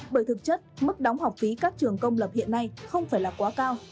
bởi thực chất mức đóng học phí các trường công lập hiện nay không phải là quá cao